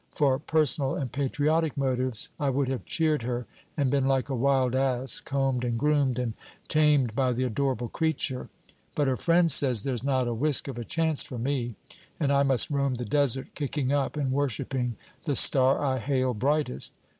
For personal and patriotic motives, I would have cheered her and been like a wild ass combed and groomed and tamed by the adorable creature. But her friend says there 's not a whisk of a chance for me, and I must roam the desert, kicking up, and worshipping the star I hail brightest.